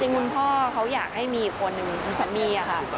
คุณพ่อเขาอยากให้มีอีกคนนึงสามีอะค่ะ